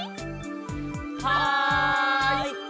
はい！